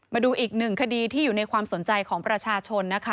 มาดูอีกหนึ่งคดีที่อยู่ในความสนใจของประชาชนนะคะ